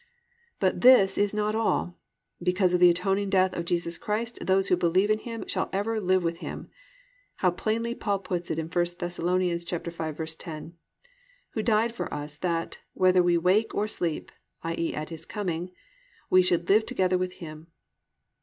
6. But this is not all. Because of the atoning death of Jesus Christ those who believe in Him shall ever live with Him. How plainly Paul puts it in 1 Thess. 5:10, +"Who died for us, that, whether we wake or sleep,+ (i.e., at His coming), +we should live together with Him."